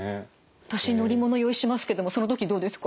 私乗り物酔いしますけどもその時どうですか？